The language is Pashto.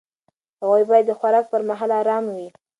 هغوی باید د خوراک پر مهال ارام وي.